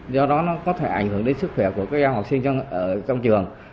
do đó nó có thể ảnh hưởng đến sức khỏe của các em học sinh ở trong trường